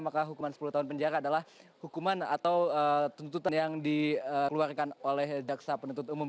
maka hukuman sepuluh tahun penjara adalah hukuman atau tuntutan yang dikeluarkan oleh jaksa penuntut umum